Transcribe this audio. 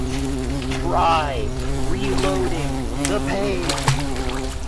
Try reloading the page